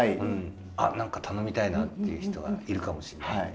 あっなんか頼みたいなっていう人がいるかもしんないんで。